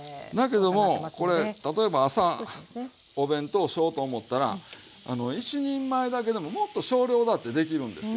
例えば朝お弁当しようと思ったら１人前だけでももっと少量だってできるんですよ。